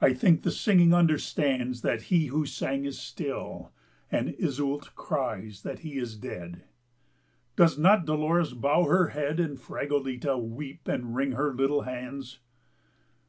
I think the singing understands That he who sang is still, And Iseult cries that he is dead, Does not Dolores bow her head And Fragoletta weep and wring her little hands?